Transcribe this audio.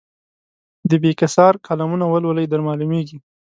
د بېکسیار کالمونه ولولئ درمعلومېږي.